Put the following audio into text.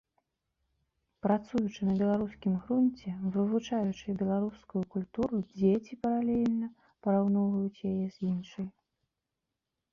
Працуючы на беларускім грунце, вывучаючы беларускую культуру, дзеці паралельна параўноўваюць яе з іншай.